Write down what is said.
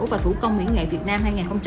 và thủ công mỹ nghệ việt nam hai nghìn hai mươi